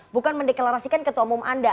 bukan mendeklarasikan ketua umum anda